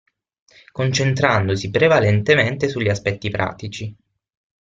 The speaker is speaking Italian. Concentrandosi prevalentemente sugli aspetti pratici.